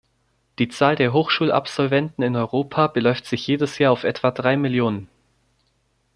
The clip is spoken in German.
Die Zahl der Hochschulabsolventen in Europa beläuft sich jedes Jahr auf etwa drei Millionen.